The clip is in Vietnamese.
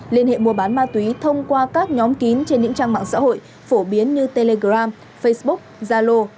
liên hệ mua bán ma túy thông qua các nhóm kín trên những trang mạng xã hội phổ biến như telegram facebook zalo